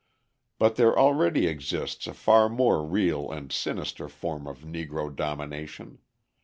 But there already exists a far more real and sinister form of Negro domination.